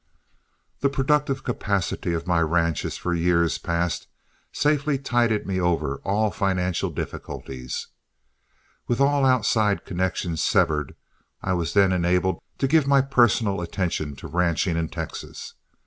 The productive capacity of my ranches for years past safely tided me over all financial difficulties. With all outside connections severed, I was then enabled to give my personal attention to ranching in Texas.